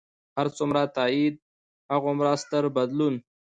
هر څومره تایید، هغومره ستر بدلون.